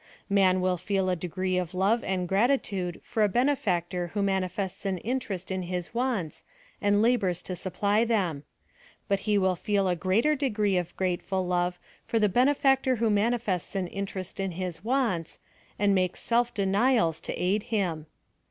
Man will feel a degree of love and gratitude lor a benefactor who manifests an mterest in his wants, and labors to supply them ; but he will feel A greater degree of grateful love for the benefactor who manifests an interest in his wants, and makes self denials to aid him.